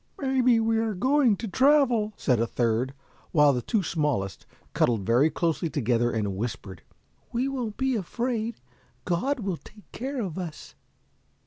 "Maybe we are going to travel," said a third; while the two smallest cuddled very closely together, and whispered, "We won't be afraid; God will take care of us."